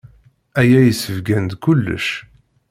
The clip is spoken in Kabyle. Aya yessebgan-d kullec.